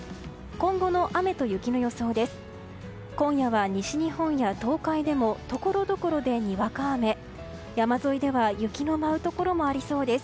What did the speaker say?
今後の雨と雪の予想です。